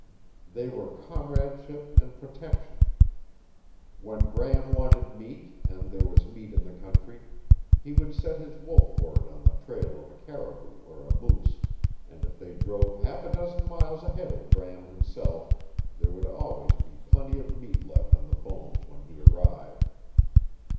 They were comradeship and protection. When Bram wanted meat, and there was meat in the country, he would set his wolf horde on the trail of a caribou or a moose, and if they drove half a dozen miles ahead of Bram himself there would always be plenty of meat left on the bones when he arrived.